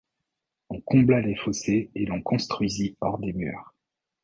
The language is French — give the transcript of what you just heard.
On combla les fossés et l'on construisit hors des murs.